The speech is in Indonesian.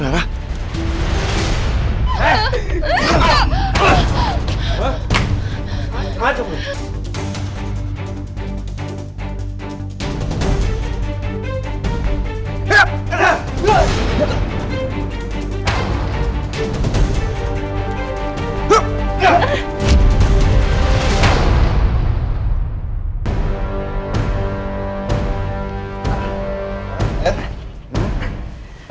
iyaki ragu nggak peduli ya